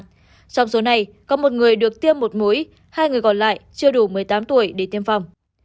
trong số này có một người được tiêm một mũi hai người còn lại chưa đủ một mươi tám tuổi để tiêm phòng